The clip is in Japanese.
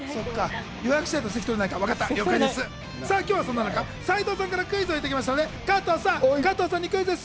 今日はそんな中、斎藤さんからクイズをいただきましたので、加藤さんにクイズッス！